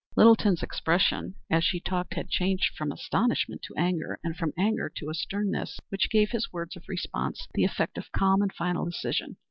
Littleton's expression as she talked had changed from astonishment to anger, and from anger to a sternness which gave his words of response the effect of calm and final decision.